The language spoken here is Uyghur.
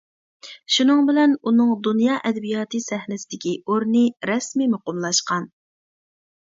شۇنىڭ بىلەن ئۇنىڭ دۇنيا ئەدەبىياتى سەھنىسىدىكى ئورنى رەسمىي مۇقىملاشقان.